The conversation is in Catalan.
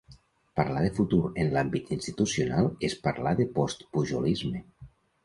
Parlar de futur en l'àmbit institucional és parlar de postpujolisme.